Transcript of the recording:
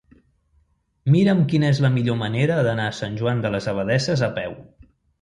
Mira'm quina és la millor manera d'anar a Sant Joan de les Abadesses a peu.